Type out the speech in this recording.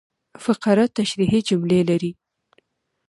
فقره تشریحي جملې لري.